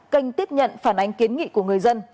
kênh tiếp nhận phản ánh kiến nghị của người dân